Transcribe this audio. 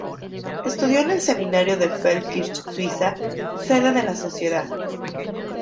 Estudió en el seminario de Feldkirch, Suiza, sede de la sociedad.